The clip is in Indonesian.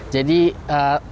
jadi kita ada sepuluh berikut